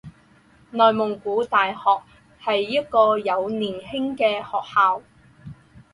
内蒙古大学是一个有年轻的学校。